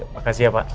makasih ya pak